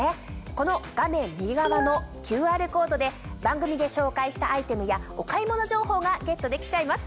この画面右側のＱＲコードで番組で紹介したアイテムやお買い物情報がゲットできちゃいます。